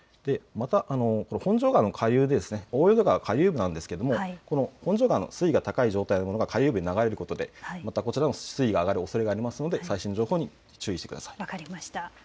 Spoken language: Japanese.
本庄川の下流で、大淀川の下流部なんですが、本庄川の水位の高いものが下流部に流れることでこちらも水位が上がることがありますので最新情報に注意してください。